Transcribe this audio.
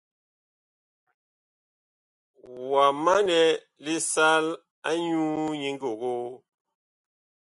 Wa manɛ lisal anyuu nyi ngogoo ?